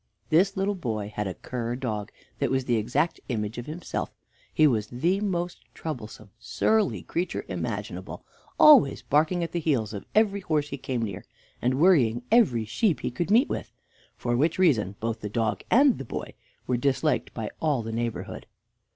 This little boy had a cur dog that was the exact image of himself; he was the most troublesome, surly creature imaginable, always barking at the heels of every horse he came near, and worrying every sheep he could meet with, for which reason both the dog and the boy were disliked by all the neighborhood.